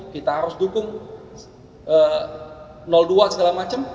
kita harus dukung dua segala macam